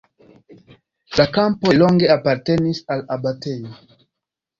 La kampoj longe apartenis al abatejo.